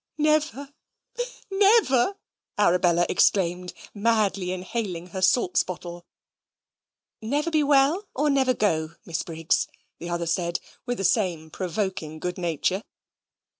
"Never, never," Arabella exclaimed, madly inhaling her salts bottle. "Never be well or never go, Miss Briggs?" the other said, with the same provoking good nature.